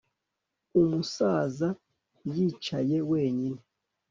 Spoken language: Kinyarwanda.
umusaza yicaye wenyine